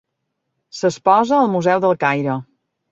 S'exposa al Museu del Caire.